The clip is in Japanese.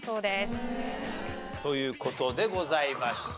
という事でございました。